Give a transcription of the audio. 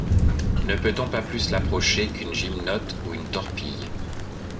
ne peut-on pas plus l’approcher qu’une gymnote ou une torpille!